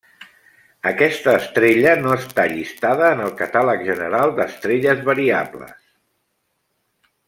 Aquesta estrella no està llistada en el Catàleg General d'Estrelles Variables.